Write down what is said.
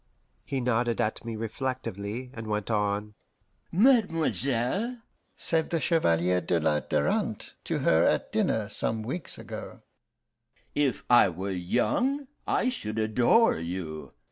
He nodded at me reflectively, and went on: "'Mademoiselle,' said the Chevalier de la Darante to her at dinner, some weeks ago, 'if I were young, I should adore you.